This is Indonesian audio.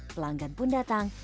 pelanggan pun datang